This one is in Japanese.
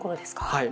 はい。